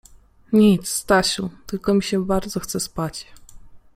— Nic, Stasiu, tylko mi się bardzo chce spać.